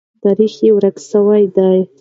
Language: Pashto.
تاریخ یې ورک سوی دی.